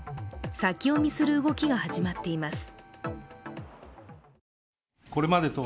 先読みする動きが始まっています。